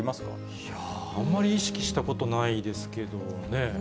いやぁ、あまり意識したことないですけどもね。